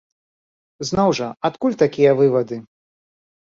Зноў жа, адкуль такія вывады?